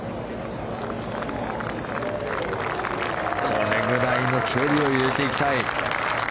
これぐらいの距離を入れていきたい。